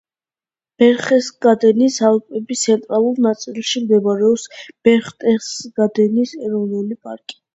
ბერხტესგადენის ალპების ცენტრალურ ნაწილში მდებარეობს ბერხტესგადენის ეროვნული პარკი.